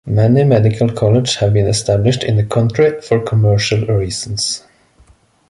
Many medical colleges have been established in the country for commercial reasons.